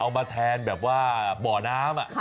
เอามาแทนแบบว่าบ่อน้ำ